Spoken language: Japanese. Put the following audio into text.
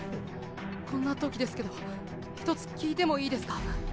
こんな時ですけどひとつ聞いてもいいですか？